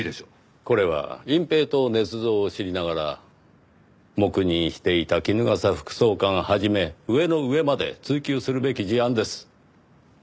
これは隠蔽と捏造を知りながら黙認していた衣笠副総監始め上の上まで追及するべき事案です。